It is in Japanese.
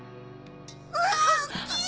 うわ大っきい！